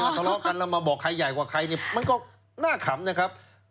มาตลอกกันแล้วมาบอกใครใหญ่กว่าใครมันก็น่าขำนะครับ